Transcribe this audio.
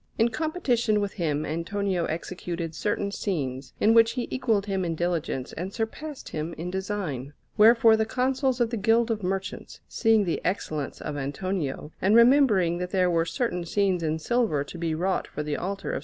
In competition with him Antonio executed certain scenes, in which he equalled him in diligence and surpassed him in design; wherefore the Consuls of the Guild of Merchants, seeing the excellence of Antonio, and remembering that there were certain scenes in silver to be wrought for the altar of S.